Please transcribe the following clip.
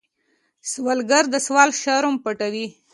سوالګر د سوال شرم پټوي